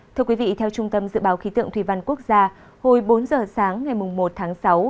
thưa quý vị theo trung tâm dự báo khí tượng thủy văn quốc gia hồi bốn giờ sáng ngày một tháng sáu